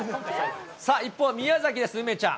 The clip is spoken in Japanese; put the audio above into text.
さあ、一方、宮崎です、梅ちゃん。